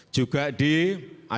terima kasih pak